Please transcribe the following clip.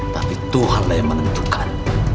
tapi tuhanlah yang menentukan